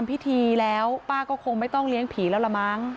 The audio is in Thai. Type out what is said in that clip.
พิธีแล้วป้าก็คงไม่ต้องเลี้ยงผีแล้วละมั้ง